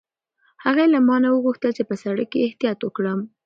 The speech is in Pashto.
هغې له ما نه وغوښتل چې په سړک کې احتیاط وکړم.